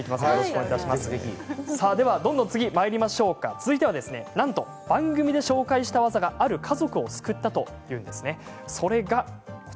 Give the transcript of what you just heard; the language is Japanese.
続いては、なんと番組で紹介した技がある家族を救ったというんです。